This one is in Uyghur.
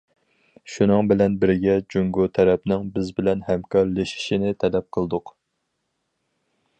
شۇنىڭ بىلەن بىرگە جۇڭگو تەرەپنىڭ بىز بىلەن ھەمكارلىشىشىنى تەلەپ قىلدۇق.